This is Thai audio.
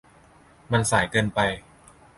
มันสายเกินไป